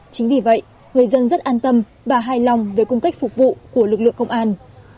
chính vì vậy người dân rất an tâm và hài lòng về cung cách phục vụ của lực lượng công an